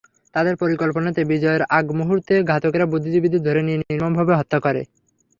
তাঁদের পরিকল্পনাতেই বিজয়ের আগমুহূর্তে ঘাতকেরা বুদ্ধিজীবীদের ধরে নিয়ে নির্মমভাবে হত্যা করে।